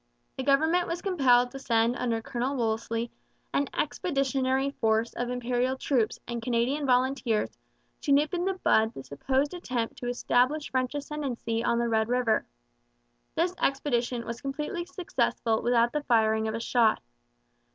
The government was compelled to send under Colonel Wolseley an expeditionary force of Imperial troops and Canadian volunteers to nip in the bud the supposed attempt to establish French ascendancy on the Red River. This expedition was completely successful without the firing of a shot.